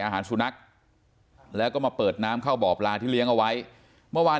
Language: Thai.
อาหารสุนัขแล้วก็มาเปิดน้ำเข้าบ่อปลาที่เลี้ยงเอาไว้เมื่อวาน